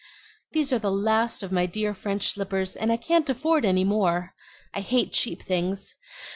"These are the last of my dear French slippers, and I can't afford any more. I hate cheap things!